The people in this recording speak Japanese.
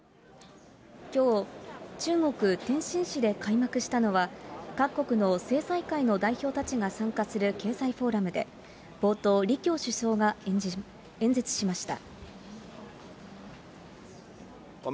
きょう、中国・天津市で開幕したのは、各国の政財界の代表たちが参加する経済フォーラムで、冒頭、李強首相が演説しました。